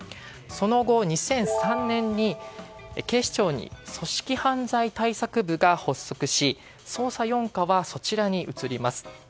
その後、２００３年に警視庁に組織犯罪対策部が発足し捜査４課はそちらに移ります。